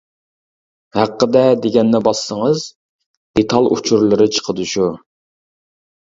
ھەققىدە دېگەننى باسسىڭىز دېتال ئۇچۇرلىرى چىقىدۇ شۇ.